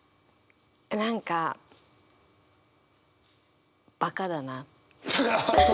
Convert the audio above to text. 何かバカだな。